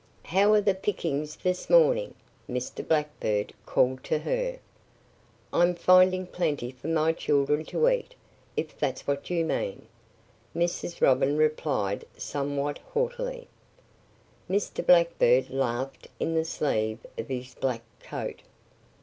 "How are the pickings this morning?" Mr. Blackbird called to her. "I'm finding plenty for my children to eat if that's what you mean," Mrs. Robin replied somewhat haughtily. Mr. Blackbird laughed in the sleeve of his black coat.